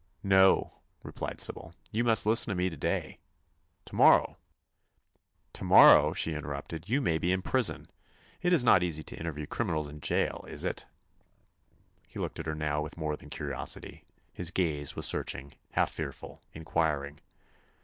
"No," replied Sybil. "You must listen to me to day." "To morrow—" "To morrow," she interrupted, "you may be in prison. It is not easy to interview criminals in jail, is it?" He looked at her now with more than curiosity; his gaze was searching, half fearful, inquiring.